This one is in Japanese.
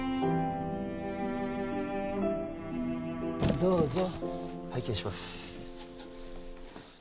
どうぞ拝見します